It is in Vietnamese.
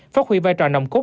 phát huy vai trò nồng cốt